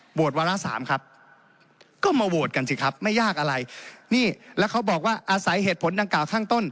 วาระสามครับก็มาโหวตกันสิครับไม่ยากอะไรนี่แล้วเขาบอกว่าอาศัยเหตุผลดังกล่าวข้างต้น